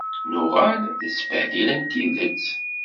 Nuɣal d ttbehdila n tidet.